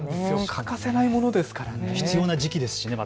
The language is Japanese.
欠かせないものですから、また必要な時期ですしね。